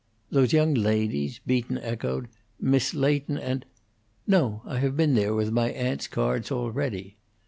"Those young ladies?" Beaton echoed. "Miss Leighton and " "No; I have been there with my aunt's cards already."